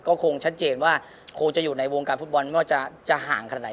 ก็คงชัดเจนว่าคงจะอยู่ในวงการฟุตบอลไม่ว่าจะห่างขนาดไหน